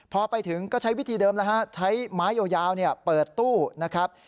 พอไปถึงก็ใช้วิธีเดิมแล้วฮะใช้ไม้ยาวเปิดตู้นะครับ